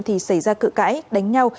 thì xảy ra cự cãi đánh nhau